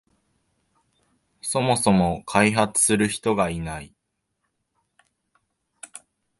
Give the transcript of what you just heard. そもそも開発する人がいない